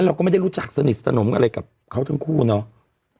เราก็ไม่ได้รู้จักสนิทสนมอะไรกับเขาทั้งคู่เนาะ